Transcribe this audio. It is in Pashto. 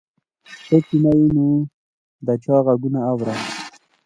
ته چې نه یې نو د چا غـــــــږونه اورم